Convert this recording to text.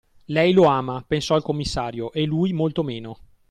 Lei lo ama, pensò il commissario, e lui molto meno.